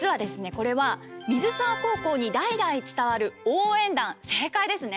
これは水沢高校に代々伝わる応援団正解ですね。